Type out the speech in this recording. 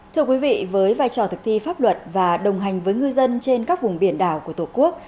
thưa quý vị với vai trò thực thi pháp luật và đồng hành với ngư dân trên các vùng biển đảo của tổ quốc